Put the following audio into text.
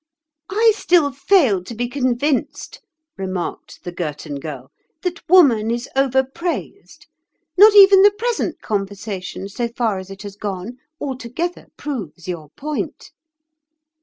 "I still fail to be convinced," remarked the Girton Girl, "that woman is over praised. Not even the present conversation, so far as it has gone, altogether proves your point."